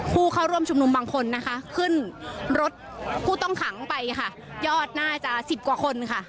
ผู้เข้าร่วมชุมนุมบางคนนะคะขึ้นรถผู้ต้องขังไปค่ะยอดน่าจะสิบกว่าคนค่ะ